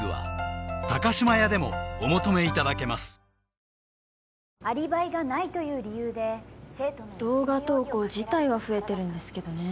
本麒麟アリバイがないという理由で生徒の動画投稿自体は増えてるんですけどね